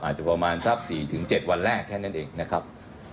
อาจจะประมาณสัก๔๗วันแรกแค่นั้นเองนะครับ